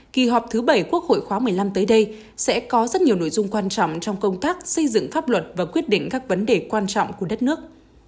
kỳ họp thứ bảy quốc hội khóa một mươi năm tới đây sẽ có rất nhiều nội dung quan trọng trong công tác xây dựng pháp luật và quyết định các vấn đề quan trọng của đất nước